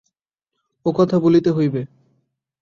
ও কথা ভুলিতে হইবে।